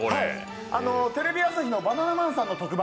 テレビ朝日のバナナマンさんの特番